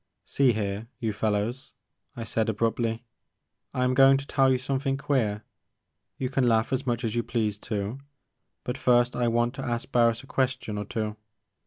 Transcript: "See here, you fellows," I said abruptly, "I am going to tell you something queer. You can laugh as much as you please too, but first I want to ask Barris a question or two.